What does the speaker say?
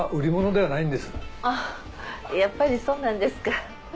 あっやっぱりそうなんですか。